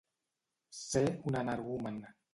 Ser un energumen.